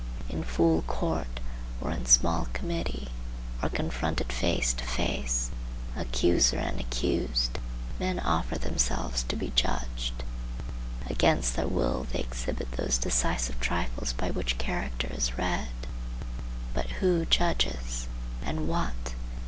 In full court, or in small committee, or confronted face to face, accuser and accused, men offer themselves to be judged. Against their will they exhibit those decisive trifles by which character is read. But who judges? and what?